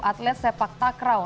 atlet sepak takraw